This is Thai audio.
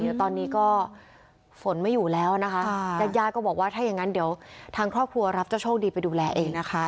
เดี๋ยวตอนนี้ก็ฝนไม่อยู่แล้วนะคะญาติญาติก็บอกว่าถ้าอย่างนั้นเดี๋ยวทางครอบครัวรับเจ้าโชคดีไปดูแลเองนะคะ